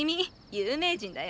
有名人だよ。